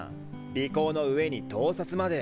尾行の上に盗撮まで。